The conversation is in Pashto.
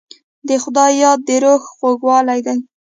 د خدای یاد د روح خوږوالی دی.